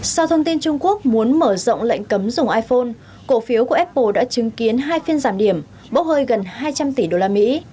sau thông tin trung quốc muốn mở rộng lệnh cấm dùng iphone cổ phiếu của apple đã chứng kiến hai phiên giảm điểm bốc hơi gần hai trăm linh tỷ đô la mỹ